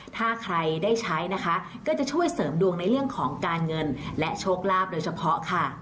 ถ้าใครได้ใช้นะคะก็จะช่วยเสริมดวงในเรื่องของการเงินและโชคลาภโดยเฉพาะค่ะ